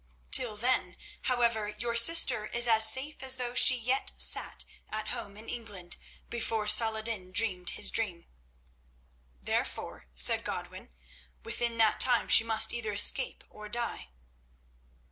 Till then, however, your sister is as safe as though she yet sat at home in England before Salah ed din dreamed his dream." "Therefore," said Godwin, "within that time she must either escape or die."